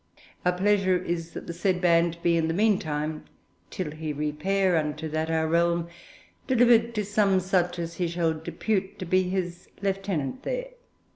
Our pleasure is that the said band be, in the meantime, till he repair into that Our realm, delivered to some such as he shall depute to be his lieutenant there.